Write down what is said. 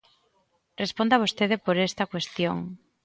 Responda vostede por esta cuestión.